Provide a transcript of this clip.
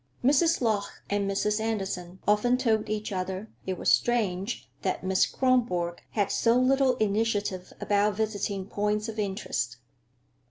Mrs. Lorch and Mrs. Andersen often told each other it was strange that Miss Kronborg had so little initiative about "visiting points of interest."